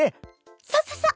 そうそうそう！